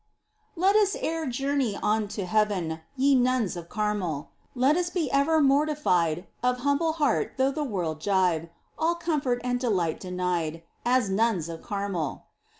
Let us e'er journey on to heaven. Ye nuns of Carmel ! Let us be ever mortified, Of humble heart though the world gibe. All comfort and dehght denied, As nuns of Carmel.